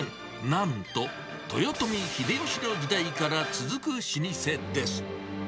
なんと、豊臣秀吉の時代から続く老舗です。